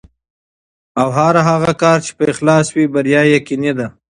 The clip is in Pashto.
او هر هغه کار چې په اخلاص وي، بریا یې یقیني ده.